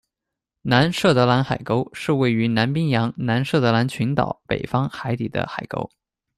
南设得兰海沟是位于南冰洋南设得兰群岛北方海底的海沟。